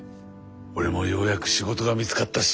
俺もようやく仕事が見つかったし。